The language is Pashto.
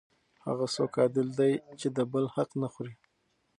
هغه څوک عادل دی چې د بل حق نه خوري.